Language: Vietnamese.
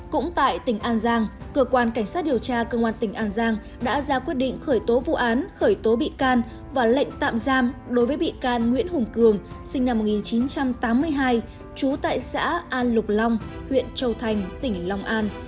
cũng tại tỉnh an giang cơ quan cảnh sát điều tra công an tỉnh an giang đã ra quyết định khởi tố vụ án khởi tố bị can và lệnh tạm giam đối với bị can nguyễn hùng cường sinh năm một nghìn chín trăm tám mươi hai trú tại xã an lục long huyện châu thành tỉnh long an